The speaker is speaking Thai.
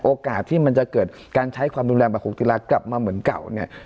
โอกาสที่มันจะเกิดการใช้ความรุนแรงประคุกติรักษ์กลับมาเหมือนเก่า